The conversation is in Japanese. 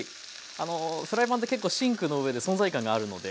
あのフライパンって結構シンクの上で存在感があるので。